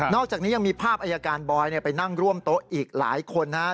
อกจากนี้ยังมีภาพอายการบอยไปนั่งร่วมโต๊ะอีกหลายคนนะครับ